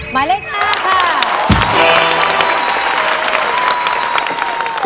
หมายเลข๕ค่ะ